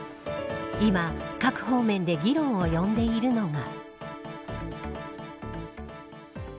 今、各方面で議論を呼んでいるのが。